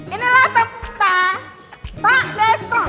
inilah pak besta pak besta